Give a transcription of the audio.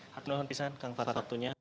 hakim nuhun pisan kang fadzat waktunya